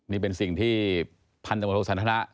นี่เป็นสิ่งที่พันธมศาสนธนา